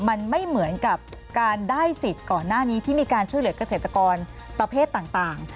มันไม่เหมือนกับการได้สิทธิ์ก่อนหน้านี้ที่มีการช่วยเหลือกเกษตรกรประเภทต่าง